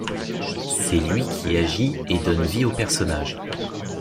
C'est lui qui agit et donne vie au personnage.